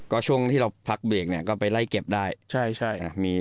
ก็ช่วงที่เราพักเบรกเนี่ยก็ไปไล่เก็บได้